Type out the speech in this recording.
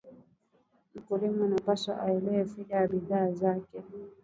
Mkulima anapaswa aelewe faida ya bidhaa zake